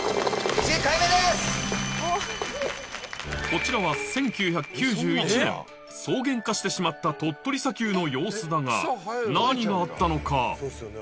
こちらは１９９１年草原化してしまった鳥取砂丘の様子だが何があったのか？